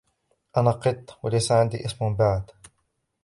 أنا قط ، وليس عندي اسم بعد.